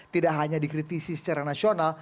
tidak hanya dikritisi secara nasional